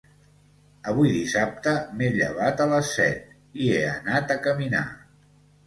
Avui dissabte m'he llevat a les set i he anat a caminar